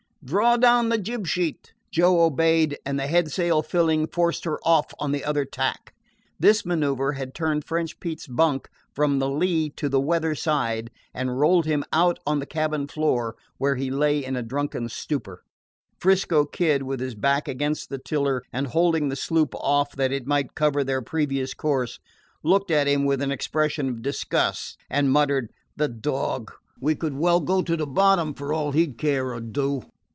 "Draw down the jib sheet!" Joe obeyed, and, the head sail filling, forced her off on the other tack. This manoeuver had turned French Pete's bunk from the lee to the weather side, and rolled him out on the cabin floor, where he lay in a drunken stupor. 'Frisco Kid, with his back against the tiller and holding the sloop off that it might cover their previous course, looked at him with an expression of disgust, and muttered: "The dog! We could well go to the bottom, for all he 'd care or do!"